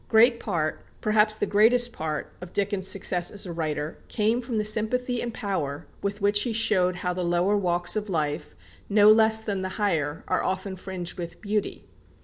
Great part, perhaps the greatest part, of Dickens' success as a writer, came from the sympathy and power with which he showed how the lower walks of life no less than the higher are often fringed with beauty.